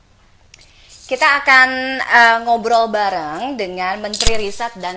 kita akan ngobrol bareng dengan menteri riset dan